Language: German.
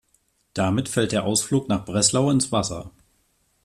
Damit fällt der Ausflug nach Breslau ins Wasser.